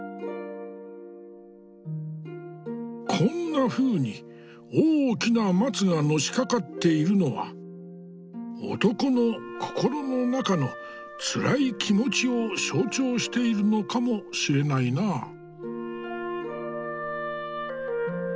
こんなふうに大きな松がのしかかっているのは男の心の中のつらい気持ちを象徴しているのかもしれないなあ。